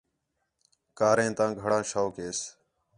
کاریں تا گھݨاں شوق ھیس